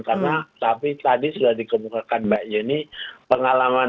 seperti agama yahudi atau judaism islam dan lain lain